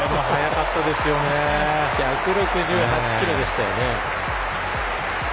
１６８キロでしたよね。